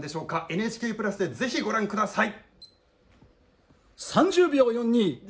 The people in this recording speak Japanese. ＮＨＫプラスでぜひご覧ください。